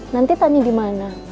nanti tanah dimana